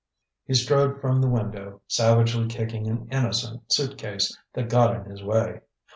He strode from the window, savagely kicking an innocent suit case that got in his way.